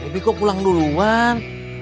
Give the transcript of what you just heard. debbie kok pulang duluan